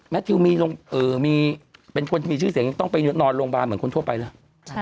แมททิวมีชื่อเสียงต้องไปนอนโรงพยาบาลเหมือนคนทั่วไปเลย